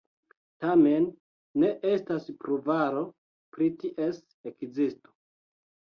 Tamen, ne estas pruvaro pri ties ekzisto.